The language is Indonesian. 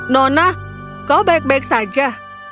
nona kau baik baik saja